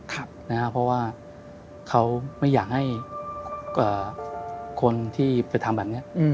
เพราะว่าเขาไม่อยากให้คนที่ไปทำแบบนี้